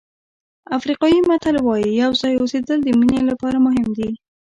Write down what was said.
افریقایي متل وایي یو ځای اوسېدل د مینې لپاره مهم دي.